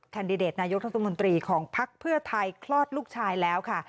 คันดิเดตนายุทธมนตรีของพักเพื่อไทยคลอดลูกชายแล้วค่ะ